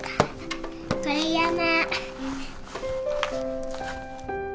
これやる。